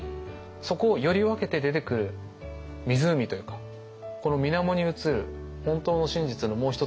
そこをより分けて出てくる湖というかこのみなもに映る本当の真実のもう一つの生活を描いた作品で。